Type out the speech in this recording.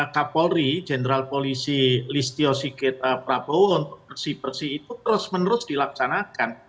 kak polri jenderal polisi listio siketa prabowo untuk bersih bersih itu terus menerus dilaksanakan